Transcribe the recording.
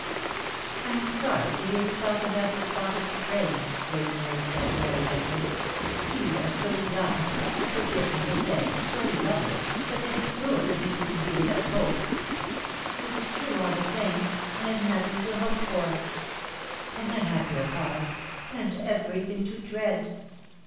"I am sorry to hear you talk in that despondent strain," Lady Mary said, very gently. "You are so young, and, forgive me for saying, so lovely, that it is cruel to think you can be without hope."' "It is true all the same, I have nothing to hope for," and then, after a pause: "and everything to dread."